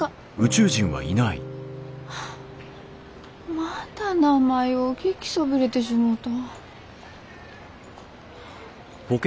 また名前う聞きそびれてしもうた。